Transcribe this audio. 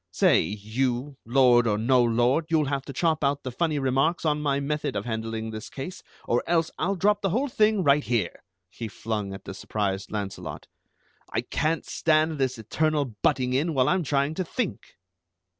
"Say, you, lord or no lord, you'll have to chop out the funny remarks on my method of handling this case, or else I'll drop the whole thing right here," he flung at the surprised Launcelot. "I can't stand this eternal butting in while I'm trying to think!"